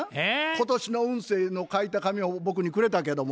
今年の運勢の書いた紙を僕にくれたけども。